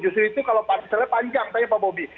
justru itu kalau pancalnya panjang tanya pak mobi